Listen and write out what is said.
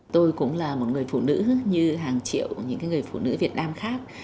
tôi cũng là một người phụ nữ như hàng triệu những người phụ nữ việt nam khác